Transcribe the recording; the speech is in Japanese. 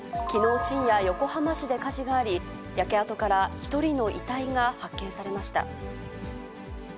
きのう深夜、横浜市で火事があり、焼け跡から１人の遺体が発見されました。